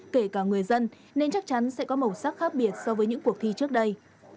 kể cả người dân nên chắc chắn sẽ có màu sắc khác biệt so với những cuộc thi trước đây